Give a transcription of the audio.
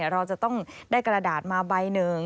เราจะต้องได้กระดาษมาใบหนึ่ง